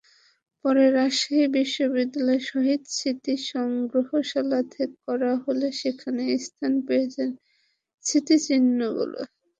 পরে রাজশাহী বিশ্ববিদ্যালয়ে শহীদ স্মৃতি সংগ্রহশালা করা হলে সেখানে স্থান পেয়েছে স্মৃতিচিহ্নগুলো।